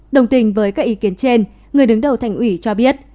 đồng tình với các ý kiến trên người đứng đầu thành ủy cho biết